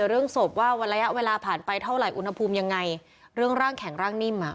เรื่องศพว่าวันระยะเวลาผ่านไปเท่าไหร่อุณหภูมิยังไงเรื่องร่างแข็งร่างนิ่มอ่ะ